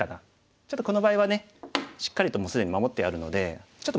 ちょっとこの場合はねしっかりと既に守ってあるのでちょっと